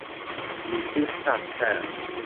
لیستەی حساب، تکایە.